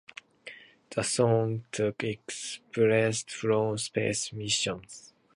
The song took excerpts from space missions.